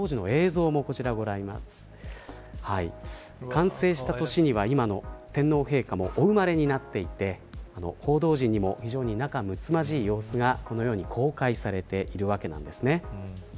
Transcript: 完成した年には今の天皇陛下もお生まれになっていて報道陣にも非常に仲むつまじい様子がこのように公開されているわけなんです。